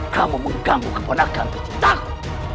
kamu mengganggu keponakan kecintaku